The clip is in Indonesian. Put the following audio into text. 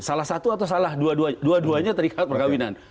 salah satu atau salah dua duanya terikat perkawinan